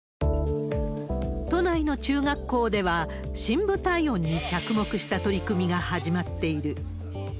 都内の中学校では、深部体温に着目した取り組みが始まっている。